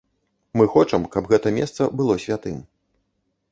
Мы хочам, каб гэта месца было святым.